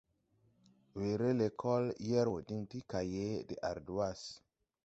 Weere lɛkɔl yɛr wɔ diŋ ti kaye wɔ de ardwas.